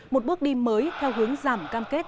một bước đi mới theo hướng giảm cam kết